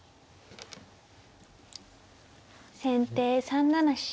先手３七飛車。